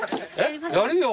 やるよ！